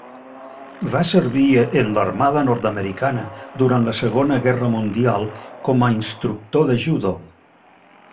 Va servir en l'armada nord-americana durant la Segona Guerra Mundial com a instructor de judo.